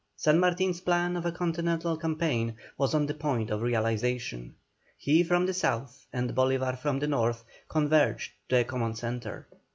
San Martin's plan of a continental campaign was on the point of realization; he from the south, and Bolívar from the north, converged to a common centre.